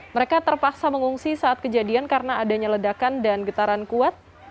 mereka terpaksa mengungsi saat kejadian karena adanya ledakan dan getaran kuat